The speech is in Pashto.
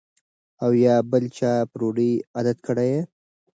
او یا بل چا په ډوډۍ عادت کړی